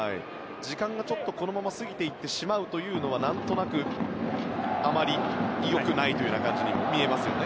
時間がこのまま過ぎていってしまうというのは何となくあまり良くない感じに見えますね。